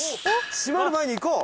閉まる前に行こう！